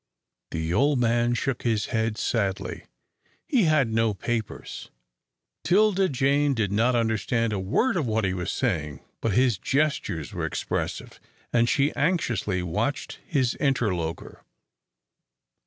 The old man shook his head sadly. He had no papers. 'Tilda Jane did not understand a word of what he was saying, but his gestures were expressive, and she anxiously watched his interlocutor.